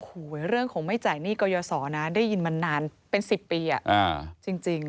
โอ้โหเรื่องของไม่จ่ายหนี้กรยศรนะได้ยินมานานเป็น๑๐ปีจริง